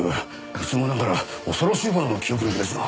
いつもながら恐ろしいほどの記憶力ですな。